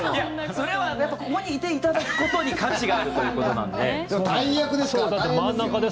それはここにいていただくことに価値があるので。